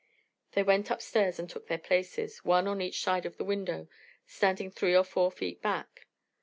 They went upstairs and took their places, one on each side of the window, standing three or four feet back.